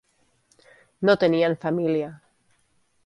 No tenien família.